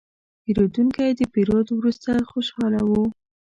پیرودونکی د پیرود وروسته خوشاله و.